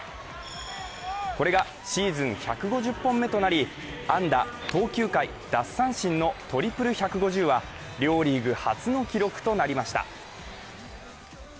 これがシーズン１５０本目となり、安打、投球回、奪三振のトリプル１５０は両リーグ初の記録となりました。